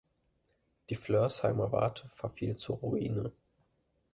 Die Flörsheimer Warte verfiel zur Ruine.